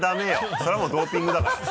それはもうドーピングだから。